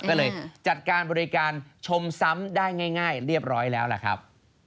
ก็เลยจัดการบริการชมซ้ำได้ง่ายเรียบร้อยแล้วล่ะครับ